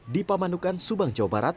di pamanukan subang jawa barat